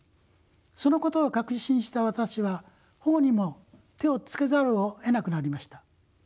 そのことを確信した私は保護にも手をつけざるをえなくなりました。